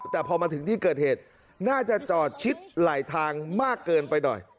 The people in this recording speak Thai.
แต่พอมาถึงที่เกิดเหตุน่าจะจอดชิดไหลทางมากเกินไปหน่อย